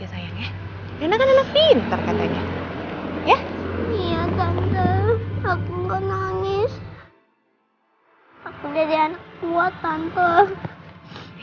aku jadi anak kuat tante